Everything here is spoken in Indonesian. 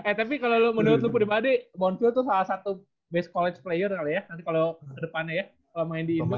eh tapi kalau lu menurut lumpur dima dede monfield tuh salah satu base college player kali ya nanti kalau kedepannya ya kalau main di imbak